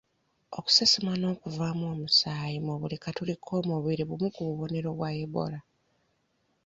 Okusesema n'okuvaamu omusaayi okuva mu buli katuli k'omubiri bumu ku bubonero bwa Ebola.